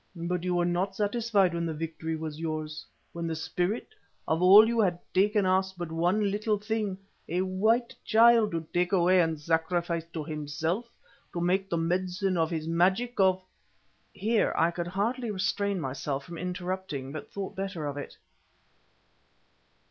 But you were not satisfied when the victory was yours, when the Spirit, of all you had taken asked but one little thing—a white child to take away and sacrifice to himself, to make the medicine of his magic of——" Here I could hardly restrain myself from interrupting, but thought better of it.